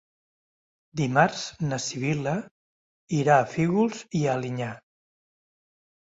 Dimarts na Sibil·la irà a Fígols i Alinyà.